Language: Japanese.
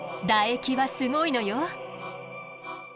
唾液はすごいのよ。